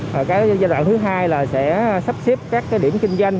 giai đoạn thứ hai là sẽ sắp xếp các điểm kinh doanh